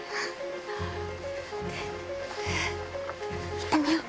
行ってみよう。